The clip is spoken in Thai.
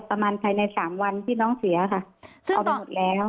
ภายในสามวันที่น้องเสียค่ะเอาไปหมดแล้ว